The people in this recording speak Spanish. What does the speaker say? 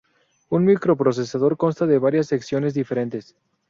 Un microprocesador consta de varias secciones diferentes.